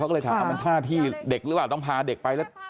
ก็เลยถามว่ามันท่าที่เด็กหรือเปล่าต้องพาเด็กไปแล้ว